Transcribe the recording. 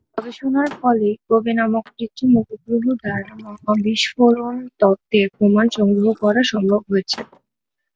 এই গবেষণার ফলেই কোবে নামক কৃত্রিম উপগ্রহ দ্বারা মহা বিস্ফোরণ তত্ত্বের প্রমাণ সংগ্রহ করা সম্ভব হয়েছে।